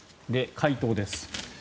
回答です。